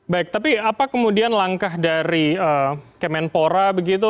baik tapi apa kemudian langkah dari kemenpora begitu